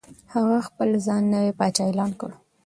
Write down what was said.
هغه خپل ځان نوی پاچا اعلان کړ.